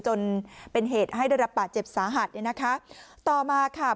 จนเป็นเหตุให้ระปะเจ็บสาหัสนะคะ